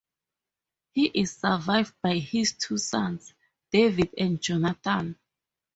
He is survived by his two sons, David and Jonathan.